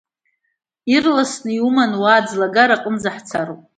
Ирласны иуманы уаа, аӡлагара аҟынӡагьы ҳцароуп.